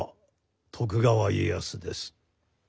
徳川家康です。